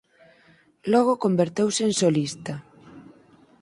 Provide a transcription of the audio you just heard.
Logo converteuse en solista.